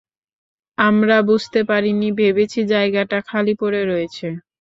আমরা বুঝতে পারিনি -- ভেবেছি জায়গাটা খালি পড়ে রয়েছে।